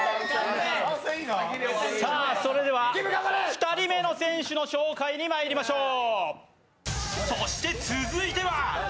２人目の選手の紹介にまいりましょう。